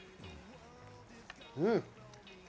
うん。